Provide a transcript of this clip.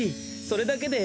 それだけで。